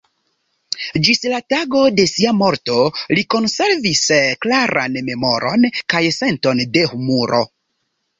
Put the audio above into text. Ĝis la tago de sia morto li konservis klaran memoron kaj senton de humuro.